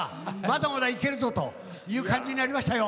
まだまだいけるぞという感じになりましたよ。